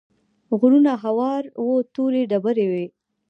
غرونه هوار وو تورې ډبرې وې.